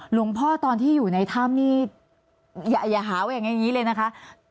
หลวงพ่อตอนที่อยู่ในถ้ำนี่อย่าหาว่าอย่างนี้เลยนะคะ